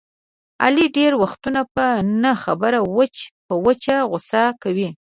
علي ډېری وختونه په نه خبره وچ په وچه غوسه کوي.